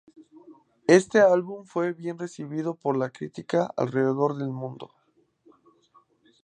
Este álbum fue bien recibido por la crítica alrededor del mundo.